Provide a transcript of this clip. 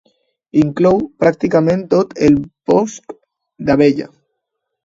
Inclou pràcticament tot el Bosc d'Abella.